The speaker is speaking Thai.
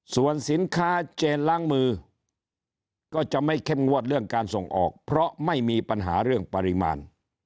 ส่วนสินค้าเจนล้างมือก็จะไม่เข้มงวดเรื่องการส่งออกเพราะไม่มีปัญหาเรื่องปริมาณ